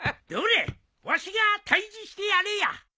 どれわしが退治してやるよ。